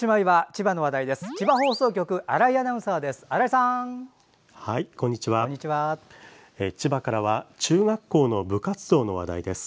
千葉からは中学校の部活動の話題です。